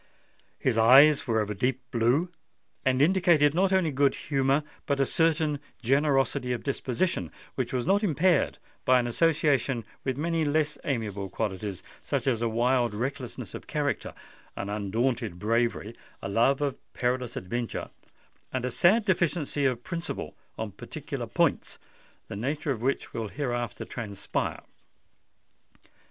His eyes were of a deep blue, and indicated not only good humour but a certain generosity of disposition which was not impaired by an association with many less amiable qualities—such as a wild recklessness of character, an undaunted bravery, a love of perilous adventure, and a sad deficiency of principle on particular points, the nature of which will hereafter transpire.